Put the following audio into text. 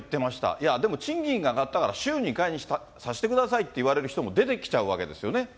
いや、でも賃金が上がったから週２回にさせてくださいって言われる人も、出てきちゃうわけですよ